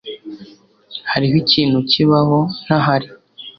Hariho ikintu kibaho, ntihari?